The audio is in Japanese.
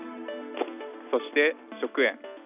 そして食塩。